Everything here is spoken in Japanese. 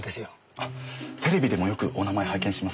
あっテレビでもよくお名前拝見します。